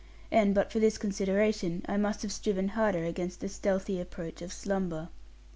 And but for this consideration, I must have striven harder against the stealthy approach of slumber.